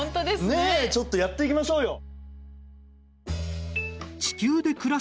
ねえちょっとやっていきましょうよ。